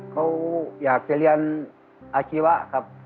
เขาอยากจะเรียนอาชีวะครับ